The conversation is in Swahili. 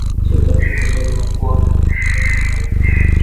sauti ya afrika Swahili imekua mstari wa mbele katika